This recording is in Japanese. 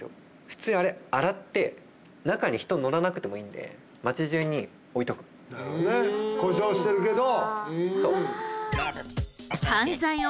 普通にあれ洗って中に人乗らなくてもいいんで故障してるけど。